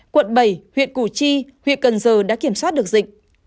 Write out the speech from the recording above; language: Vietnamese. quận bảy huyện củ chi huyện cần giờ đã kiểm soát được dịch